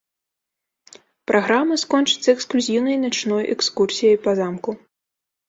Праграма скончыцца эксклюзіўнай начной экскурсіяй па замку.